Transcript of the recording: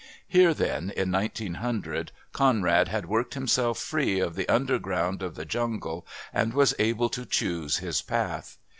Here then in 1900 Conrad had worked himself free of the underground of the jungle and was able to choose his path.